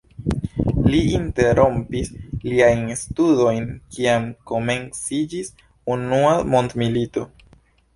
Li interrompis siajn studojn kiam komenciĝis Unua mondmilito.